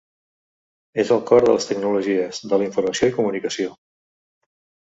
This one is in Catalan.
És el cor de les tecnologies, de la informació i comunicació.